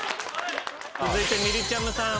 続いてみりちゃむさん。